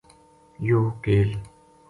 یوہ کیل